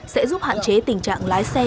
sẽ giúp hạn chế tình trạng lái xe